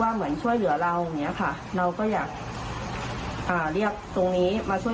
เหมือนช่วยเหลือเราอย่างเงี้ยค่ะเราก็อยากเรียกตรงนี้มาช่วย